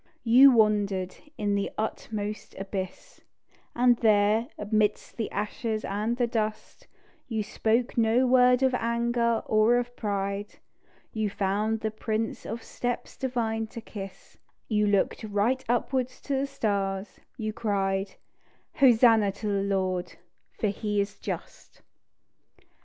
You wandered in the uttermost abyss; And there, amidst the ashes and the dust, You spoke no word of anger or of pride; You found the prints of steps divine to kiss; You looked right upwards to the stars, you cried: "_Hosanna to the Lord, for He is just.